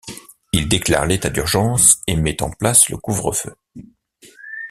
Il déclare l'état d'urgence et met en place le couvre-feu.